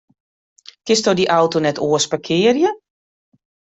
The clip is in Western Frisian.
Kinst dy auto net oars parkearje?